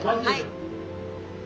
はい。